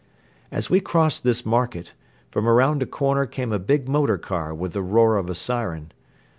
As we crossed this market, from around a corner came a big motor car with the roar of a siren.